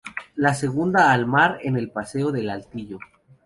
La segunda al mar, en el Paseo del Altillo.